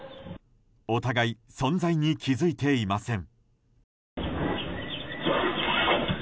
お互い存在に気づいていません。